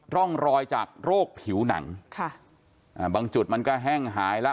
ร่องรอยจากโรคผิวหนังค่ะอ่าบางจุดมันก็แห้งหายแล้ว